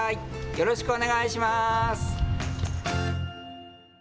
よろしくお願いします。